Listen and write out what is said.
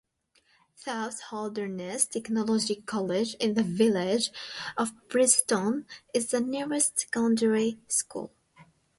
South Holderness Technology College in the village of Preston is the nearest secondary school.